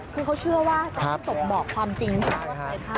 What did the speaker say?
คือเขาเชื่อว่าจะให้ศพบอกความจริงใช่ไหม